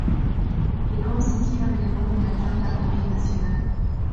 Il constitue un élément de la Gendarmerie nationale.